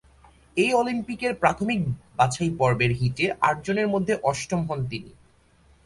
এই অলিম্পিকের প্রাথমিক বাছাই পর্বের হিটে আট জনের মাঝে অষ্টম হন তিনি।